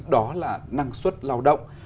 đó là năng suất lao động